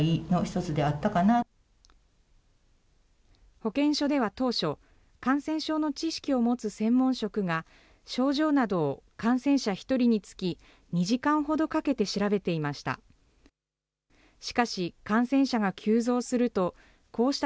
保健所では当初、感染症の知識を持つ専門職が、症状などを感染者１人につき２時間ほどかけて調べていました。